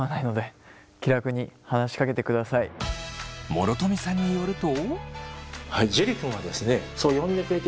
諸富さんによると。